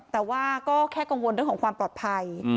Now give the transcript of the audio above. แต่ว่าก็แค่กังวลเรื่องของความปลอดภัย